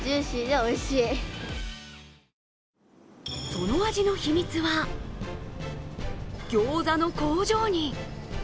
その味の秘密はギョーザの工場に。